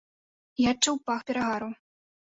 Я адчуў пах перагару.